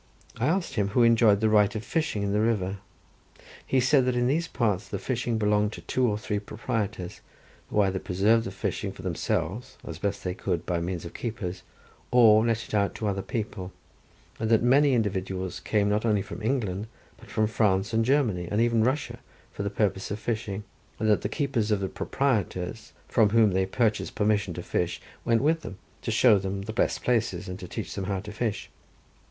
I asked him who enjoyed the right of fishing in the river. He said that in these parts the fishing belonged to two or three proprietors, who either preserved the fishing for themselves, as they best could by means of keepers, or let it out to other people; and that many individuals came not only from England, but from France and Germany and even Russia for the purpose of fishing, and that the keepers of the proprietors from whom they purchased permission to fish went with them, to show them the best places, and to teach them how to fish.